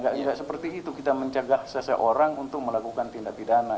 tidak seperti itu kita mencegah seseorang untuk melakukan tindak pidana